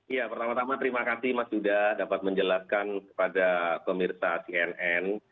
ya pertama tama terima kasih mas yuda dapat menjelaskan kepada pemirsa cnn